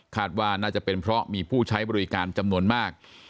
ว่าน่าจะเป็นเพราะมีผู้ใช้บริการจำนวนมาก